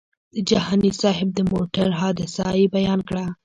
د جهاني صاحب د موټر حادثه یې بیان کړه.